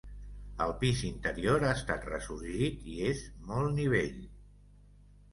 El pis interior ha estat ressorgit i és molt nivell.